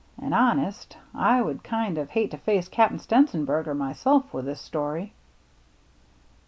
And honest, I would kind of hate to face Cap'n Stenzenberger myself with this story."